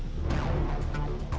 rumah basah terdekat